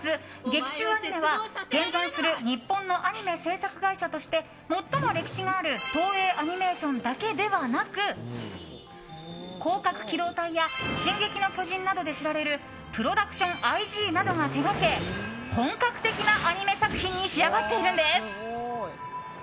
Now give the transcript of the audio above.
劇中アニメは現存する日本のアニメ制作会社として最も歴史がある東映アニメーションだけではなく「攻殻機動隊」や「進撃の巨人」などで知られるＰｒｏｄｕｃｔｉｏｎＩ．Ｇなどが手掛け本格的なアニメ作品に仕上がっているんです。